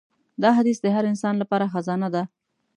دا حدیث د هر انسان لپاره خزانه ده.